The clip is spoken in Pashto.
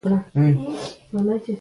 کرم اورکزي شمالي وزيرستان سوېلي وزيرستان